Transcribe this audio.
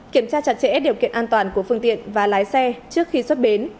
kiểm tra chặt chẽ điều kiện an toàn của phương tiện và lái xe trước khi xuất bến